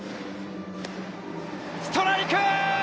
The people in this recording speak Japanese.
ストライク！